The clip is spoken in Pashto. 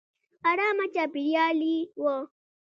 ارامه چاپېریال یې و.